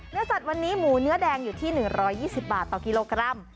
เนื้อสัตว์วันนี้หมูเนื้อแดงอยู่ที่๑๒๐บาทต่อกิโลกรัม